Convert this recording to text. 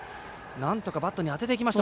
なんとかバットに当ててきました。